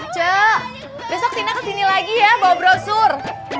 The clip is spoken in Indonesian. coba besok sina kesini lagi ya bawa brosur